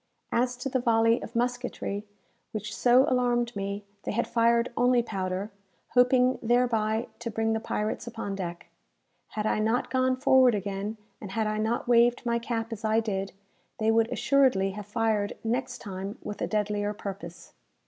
As to the volley of musketry which so alarmed me, they had fired only powder; hoping thereby to bring the pirates upon deck. Had I not gone forward again, and had I not waved my cap as I did, they would assuredly have fired next time with a deadlier purpose.